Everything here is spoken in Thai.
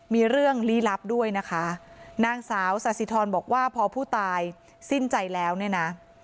มีเรื่องลี้ลับด้วยนะคะนางสาวสาธิธรบอกว่าพอผู้ตายสิ้นใจแล้วเนี่ยนะ